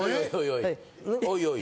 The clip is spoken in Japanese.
おいおい。